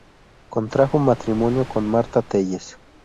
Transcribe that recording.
Contrajo matrimonio con Marta Tellez.